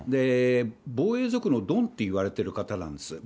防衛族のドンといわれてる方なんです。